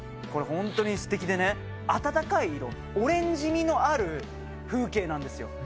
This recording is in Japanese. これホントにすてきでね暖かい色オレンジみのある風景なんですよ。